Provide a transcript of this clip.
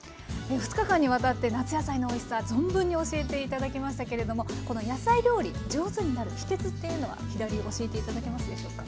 ２日間にわたって夏野菜のおいしさ存分に教えていただきましたけれどもこの野菜料理上手になる秘けつっていうのは飛田流教えていただけますでしょうか。